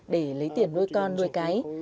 để lấy tiền nuôi con nuôi cái